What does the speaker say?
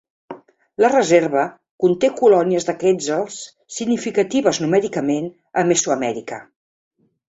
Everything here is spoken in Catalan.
La reserva conté colònies de quetzals significatives numèricament a Mesoamèrica.